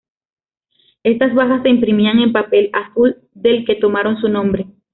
Estas bajas se imprimían en papel azul, del que tomaron su nombre.